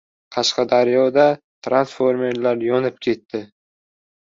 Qashqadaryoda transformator yonib ketdi